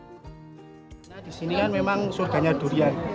karena di sini kan memang surganya durian